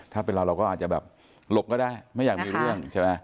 ถ้าเป็นเราเราก็อาจจะแบบหลบก็ได้ไม่อยากมีเรื่องใช่ไหม